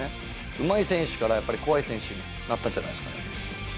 うまい選手から、やっぱり怖い選手になったんじゃないですかね。